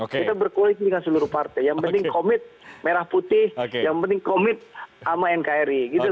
kita berkoalisi dengan seluruh partai yang penting komit merah putih yang penting komit sama nkri